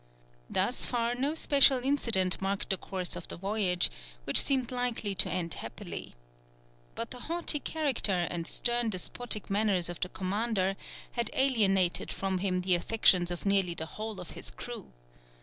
Thus far no special incident marked the course of the voyage, which seemed likely to end happily. But the haughty character and stern, despotic manners of the commander had alienated from him the affections of nearly the whole of his crew.